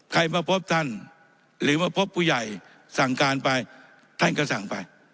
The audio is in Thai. ใครมาพบท่านหรือมาพบผู้ใหญ่สั่งการไปท่านก็สั่งไป